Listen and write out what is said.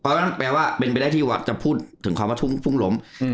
เพราะฉะนั้นแปลว่าเป็นไปได้ที่จะพูดถึงคำว่าพุ่งล้ม